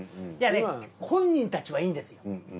いやね本人たちはいいんですよ。